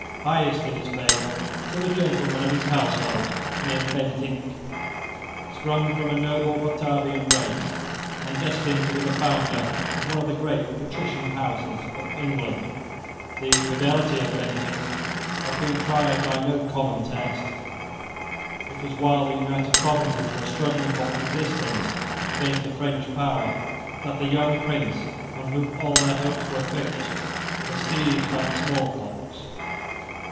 Highest in his favour stood a gentleman of his household named Bentinck, sprung from a noble Batavian race, and destined to be the founder of one of the great patrician houses of England. The fidelity of Bentinck had been tried by no common test. It was while the United Provinces were struggling for existence against the French power that the young Prince on whom all their hopes were fixed was seized by the small pox.